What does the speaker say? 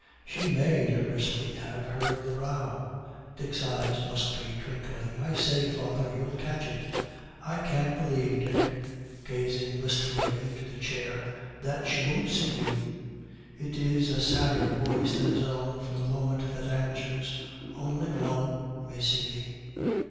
'She may,' nervously, 'have heard the row.' Dick's eyes must be twinkling. 'I say, father, you'll catch it!' 'I can't believe, Dick,' gazing wistfully into the chair, 'that she won't see you.' It is a sadder voice than his own for the moment that answers, 'Only one may see me.'